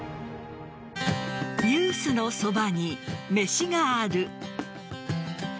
「ニュースのそばに、めしがある。」